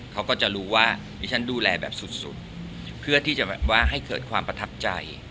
เขาก็จะรู้ว่าดิฉันดูแลแบบสุดเพื่อที่จะแบบว่าให้เกิดความประทับใจ